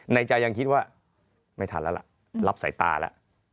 ในใจยังคิดว่าไม่ทันแล้วล่ะรับสายตาแล้ว